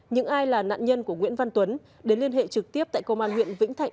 những ai là nạn nhân của nguyễn văn tuấn đến liên hệ trực tiếp tại công an huyện vĩnh thạnh